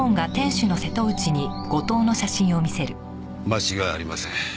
間違いありません。